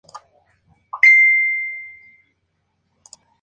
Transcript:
Asimismo, se puede encontrar en el mercado negro de Cerdeña.